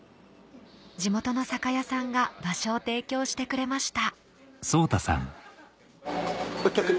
地元の酒屋さんが場所を提供してくれました